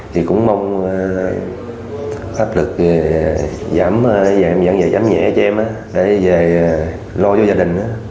thì cũng mong áp lực giảm nhẹ cho em để về lo cho gia đình